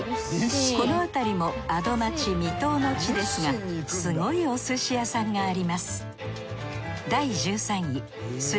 このあたりも「アド街」未踏の地ですがすごいお寿司屋さんがあります